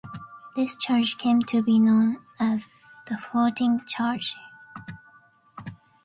This charge came to be known as the "floating charge".